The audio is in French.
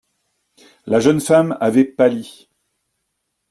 La jeune femme avait pâli.